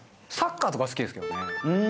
サッカーとか好きですけどね。